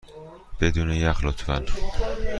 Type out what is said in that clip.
بدون یخ، لطفا.